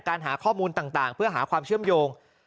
หาข้อมูลต่างเพื่อหาความเชื่อมโยง